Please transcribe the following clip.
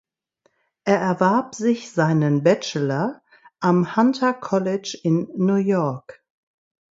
Er erwarb sich seinen Bachelor am Hunter College in New York.